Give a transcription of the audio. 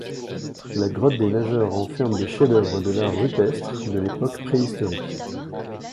La grotte des Nageurs renferme des chefs d'œuvre de l'art rupestre de l'époque préhistorique.